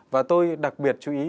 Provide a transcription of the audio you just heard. và tôi đặc biệt chú ý